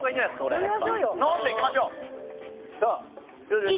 これ飲んでいきましょういいですか？